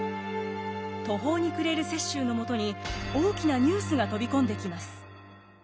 途方に暮れる雪洲のもとに大きなニュースが飛び込んできます。